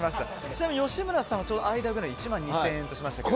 ちなみに吉村さんはちょうど間くらいの１万２０００円にしましたけど。